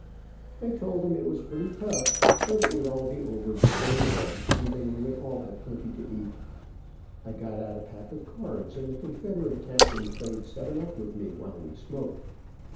I told him it was pretty tough, but it would all be over before long, and then we would all have plenty to eat. I got out a pack of cards, and the confederate captain played seven up with me, while we smoked.